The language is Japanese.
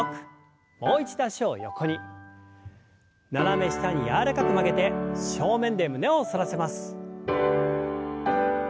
斜め下に柔らかく曲げて正面で胸を反らせます。